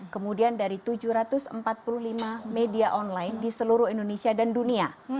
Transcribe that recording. kemudian dari tujuh ratus empat puluh lima media online di seluruh indonesia dan dunia